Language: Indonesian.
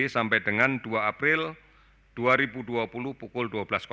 sampai dengan dua april dua ribu dua puluh pukul dua belas